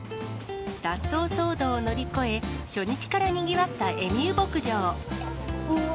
脱走騒動を乗り越え、初日からにぎわったエミュー牧場。